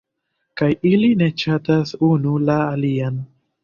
kaj ili ne ŝatas unu la alian